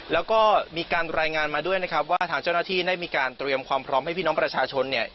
แล้วก็มีการรายงานมาด้วยนะครับว่าทางเจ้าหน้าที่ได้มีการเตรียมความพร้อมให้พี่น้องประชาชนเนี่ย